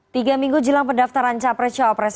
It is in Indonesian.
tiga minggu jelang pendaftaran capres cawapres